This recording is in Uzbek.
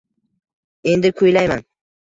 Endi kuylayman